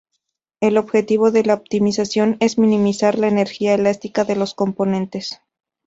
El objetivo de la optimización es minimizar la energía elástica de los componentes.